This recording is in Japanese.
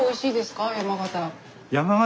山形。